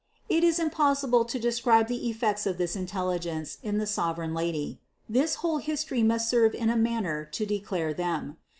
It is impossible to describe the effects of this intelligence in the sovereign Lady; this whole history must serve in a manner to declare them.